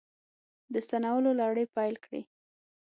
د ستنولو لړۍ پیل کړې